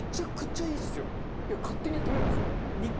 勝手にやってくれるんですよ。